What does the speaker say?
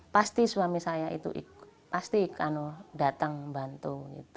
pasti suami saya itu pasti datang bantu